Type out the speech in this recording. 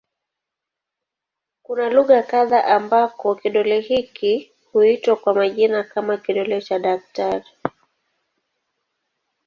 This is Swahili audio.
Kuna lugha kadha ambako kidole hiki huitwa kwa majina kama "kidole cha daktari".